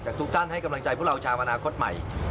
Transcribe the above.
ทุกท่านให้กำลังใจพวกเราชาวอนาคตใหม่